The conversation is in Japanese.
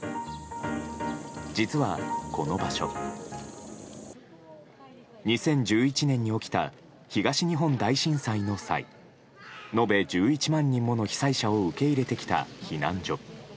実は、この場所２０１１年に起きた東日本大震災の際延べ１１万人もの被災者を受け入れてきた避難所。